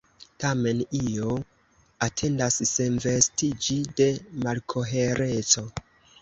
Tamen io atendas senvestiĝi de malkohereco.